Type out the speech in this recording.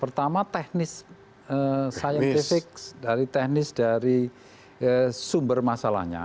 pertama teknis scientific dari teknis dari sumber masalahnya